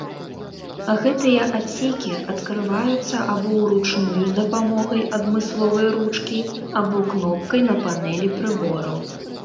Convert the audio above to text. Гэтыя адсекі адкрываюцца або ўручную з дапамогай адмысловай ручкі, або кнопкай на панелі прыбораў.